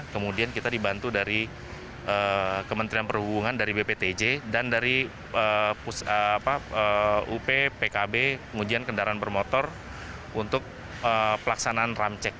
kemudian kita dibantu dari kementerian perhubungan dari bptj dan dari up pkb kemudian kendaraan bermotor untuk pelaksanaan ramcek